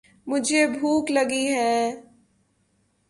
مجھے بھوک لگی ہے۔